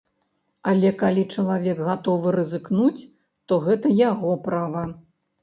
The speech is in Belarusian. Але, калі чалавек гатовы рызыкнуць, то гэта яго права.